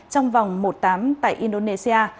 trong vòng một tám tại indonesia